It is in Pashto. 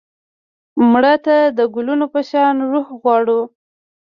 مړه ته د ګلونو په شان روح غواړو